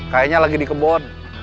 kayaknya lagi di kebon